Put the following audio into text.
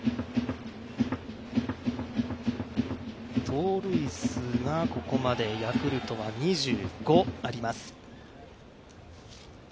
盗塁数がここまでヤクルトが２５あります。